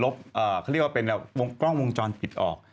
เขาเรียกว่าเป็นวงกล้องวงจรปิดออก